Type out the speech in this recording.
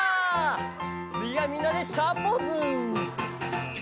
「つぎはみんなでシャーポーズ！」